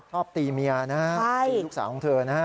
ชอบตีเมียนะตีลูกสาวของเธอนะ